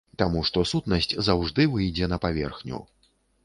Таму што сутнасць заўжды выйдзе на паверхню.